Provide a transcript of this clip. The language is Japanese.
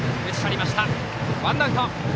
ワンアウト。